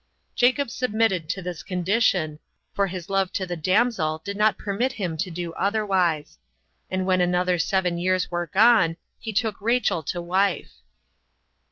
Jacob submitted to this condition, for his love to the damsel did not permit him to do otherwise; and when another seven years were gone, he took Rachel to wife.